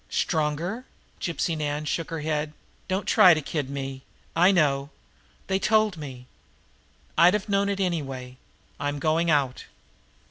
"Stronger!" Gypsy Nan shook her head. "Don't try to kid me! I know. They told me. I'd have known it anyway. I'm going out."